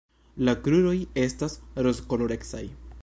La kruroj estas rozkolorecaj.